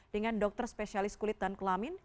dengan dokter spesialis kulit dan kelamin